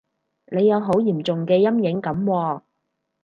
你有好嚴重嘅陰影噉喎